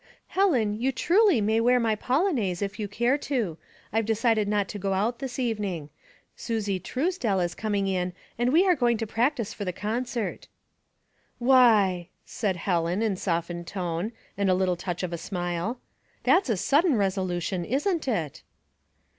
'^ Helen, you truly may wear my polonaise if you cat a to. I've decided not to go out this evening. Susie Truesdell is coming in, and we are going to practice for the concert." " Why !" said Helen, in softened tone, and a little touch of a smile, ''that's a sudden resolu tion, isn't it?"